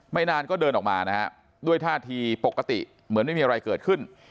นานก็เดินออกมานะฮะด้วยท่าทีปกติเหมือนไม่มีอะไรเกิดขึ้น